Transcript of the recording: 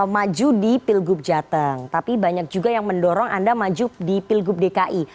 maju di pilgub jateng tapi banyak juga yang mendorong anda maju di pilgub dki